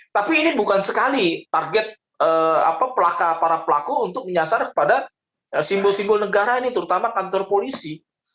tapi ini bukan sekali target para pelaku untuk menyasar kepada simbol simbol negara ini terutama kantor polisi